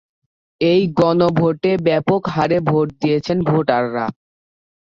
এই গণভোটে ব্যাপক হারে ভোট দিয়েছেন ভোটাররা।